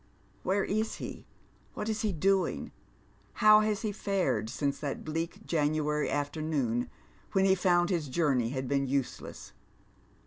Where is he? what is he doing? how has he fared since that bleak January afternoon when he found his journey had been useless